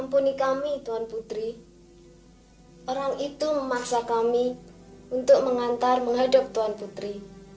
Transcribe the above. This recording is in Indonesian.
ampuni kami tuan putri orang itu memaksa kami untuk mengantar menghadap tuan putri